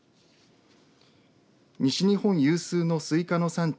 西日本有数のスイカの産地